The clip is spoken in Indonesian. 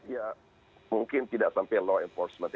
ya mungkin tidak sampai law enforcement